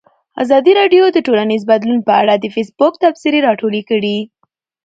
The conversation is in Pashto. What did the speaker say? ازادي راډیو د ټولنیز بدلون په اړه د فیسبوک تبصرې راټولې کړي.